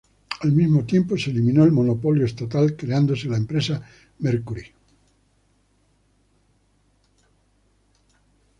Al mismo tiempo, se eliminó el monopolio estatal, creándose la empresa Mercury.